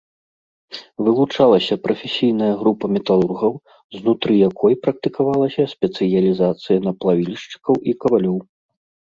Вылучалася прафесійная група металургаў, знутры якой практыкавалася спецыялізацыя на плавільшчыкаў і кавалёў.